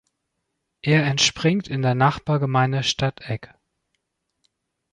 Er entspringt in der Nachbargemeinde Stattegg.